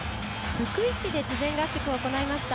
福井市で事前合宿を行いました。